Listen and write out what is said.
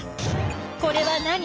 これは何？